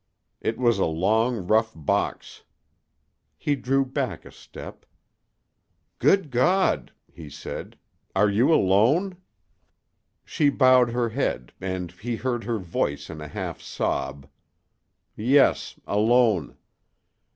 It was a long, rough box. He drew back a step. "Good God!" he said. "Are you alone?" She bowed her head, and he heard her voice in a half sob. "Yes alone."